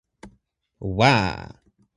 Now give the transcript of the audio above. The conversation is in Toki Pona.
wa!